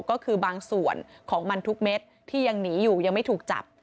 ก็คือบางส่วนของมันทุกเม็ดที่ยังหนีอยู่ยังไม่ถูกจับ